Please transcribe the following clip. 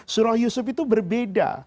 surah yusuf itu berbeda